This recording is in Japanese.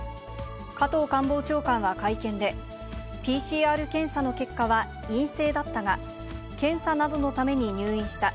加藤官房長官は会見で、ＰＣＲ検査の結果は陰性だったが、検査などのために入院した。